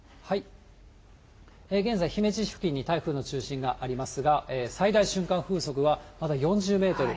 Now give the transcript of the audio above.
現在、姫路市付近に台風の中心がありますが、最大瞬間風速はまだ４０メートル。